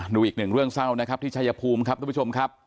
ดูอีกหนึ่งเรื่องเศร้านะครับที่ชายภูมิครับทุกผู้ชมครับ